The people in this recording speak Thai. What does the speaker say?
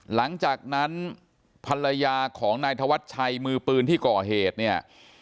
หลังจากนั้นภรรยาของนายธวัชชัยมือปืนที่ก่อเหตุเนี่ย